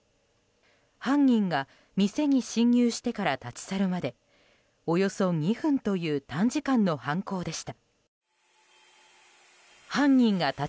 犯人が店に侵入してから立ち去るまでおよそ２分という短時間の犯行でした。